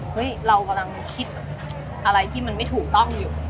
เรากำลังคิดอะไรที่มันไม่ถูกต้องอยู่